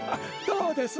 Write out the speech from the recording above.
どうです？